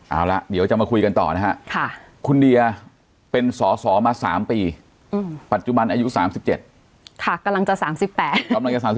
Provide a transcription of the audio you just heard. เอาละเดี๋ยวจะมาคุยกันต่อนะฮะคุณเดียเป็นสอสอมา๓ปีปัจจุบันอายุ๓๗ค่ะกำลังจะ๓๘กำลังจะ๓๔